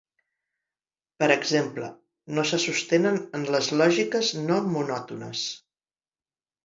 Per exemple, no se sostenen en les lògiques no monòtones.